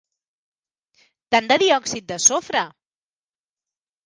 Tant de diòxid de sofre!